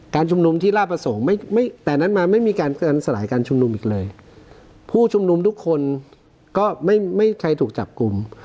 การการสลายการชุมนุมอีกเลยผู้ชุมนุมทุกคนก็ไม่ไม่ใครถูกจับกลุ่ม